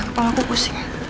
kepala aku pusing